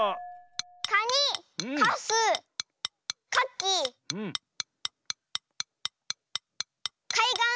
「かに」「かす」「かき」「かいがん」。